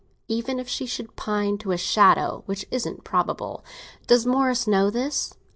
"Even if she should pine to a shadow, which isn't probable." "Does Morris know this?"